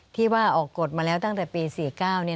ที่ว่าออกกฎมาแล้วตั้งแต่ปี๔๙เนี่ย